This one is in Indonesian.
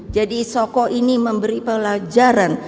jadi soko ini memberi pelajaran